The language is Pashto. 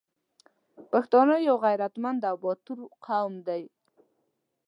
پښتانه یو غریتمند او باتور قوم دی